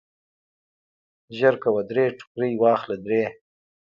زرکوه درې ټوکرۍ واخله درې.